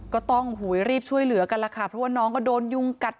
ก็ต้องรีบช่วยเหลือกันล่ะค่ะเพราะว่าน้องก็โดนยุงกัด